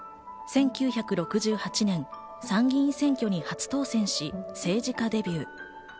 １９６８年、参議院選挙に初当選し、政治家デビュー。